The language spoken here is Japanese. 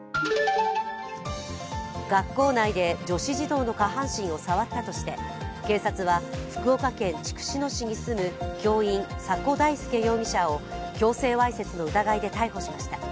学校内で女子児童の下半身を触ったとして警察は福岡県筑紫野市に住む教員、迫太輔容疑者を強制わいせつの疑いで逮捕しました。